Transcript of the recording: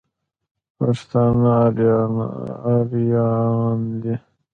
پښتانه اريايان دي.